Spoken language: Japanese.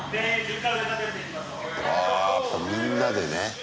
あやっぱみんなでね。